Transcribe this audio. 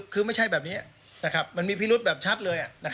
คือไม่ใช่แบบนี้มันมีพิรุษแบบชัดเลย